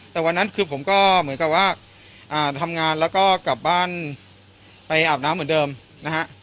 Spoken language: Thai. แต่วันนั้นคือผมก็เหมือนกับว่าทำงานแล้วก็กลับบ้านไปอาบน้ำเหมือนเดิมนะฮะ